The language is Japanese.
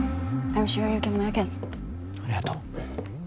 ありがとう